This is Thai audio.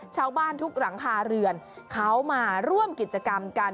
ชาวบ้านทุกหลังคาเรือนเขามาร่วมกิจกรรมกัน